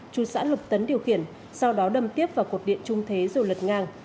chú xã lộc tấn điều khiển sau đó đâm tiếp vào cột điện trung thế rồi lật ngang